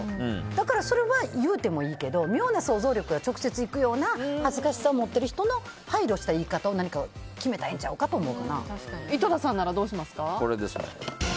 だからそれは言うてもいいけど妙な想像力が直接いくような恥ずかしさを持っている人に配慮する言い方を井戸田さんならどうしますか？